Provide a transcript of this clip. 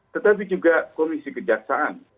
tetapi juga komisi kejaksaan